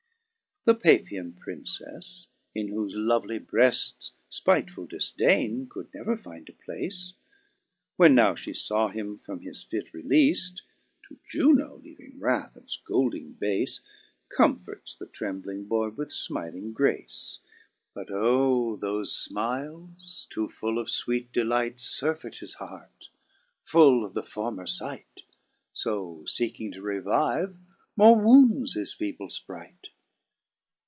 3 The Paphian princefTe (in whofe lovely breafl Spiteful difdaine could never find a place) When now fhe faw him from his fit releaft, (To Juno leaving wrath and fcolding bafe) Comforts the trembling boy with fmiling grace ; Digitized by Google 284 BRITTJIN'S IDA. But oh ! thofe finiles (too full of fweete delight) Surfeit his heart, full of the former fight ; So feeking to revive more wounds his feeble fprite.